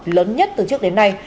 lớn nhất từ trước đến nay